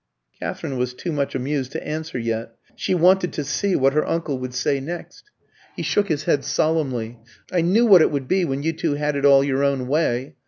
Katherine was too much amused to answer yet; she wanted to see what her uncle would say next. He shook his head solemnly. "I knew what it would be when you two had it all your own way.